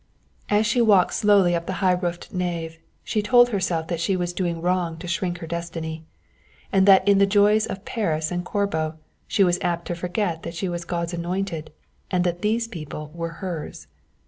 As she walked slowly up the high roofed nave she told herself that she was doing wrong to shirk her destiny, and that in the joys of Paris and Corbo she was apt to forget that she was God's anointed, and that these people were hers.